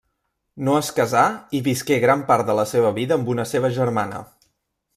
No es casà i visqué gran part de la seva vida amb una seva germana.